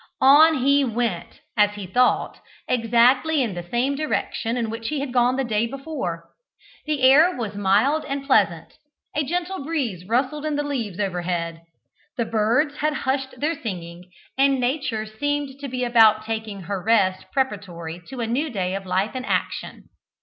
On he went, as he thought, exactly in the same direction in which he had gone the day before. The air was mild and pleasant a gentle breeze rustled in the leaves overhead the birds had hushed their singing, and Nature seemed to be about taking her rest preparatory to a new day of life and action.